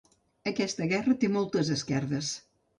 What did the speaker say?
Aquesta gerra té moltes esquerdes.